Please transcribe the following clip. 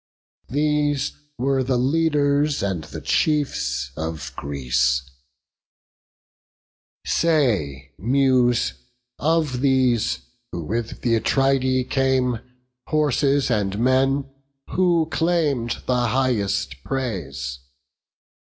These were the leaders and the chiefs of Greece: Say, Muse, of these, who with th' Atridae came, Horses and men, who claim'd the highest praise.